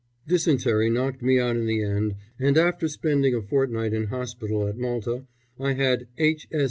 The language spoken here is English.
Dysentery knocked me out in the end, and after spending a fortnight in hospital at Malta I had "H.